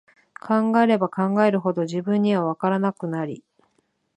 考えれば考えるほど、自分には、わからなくなり、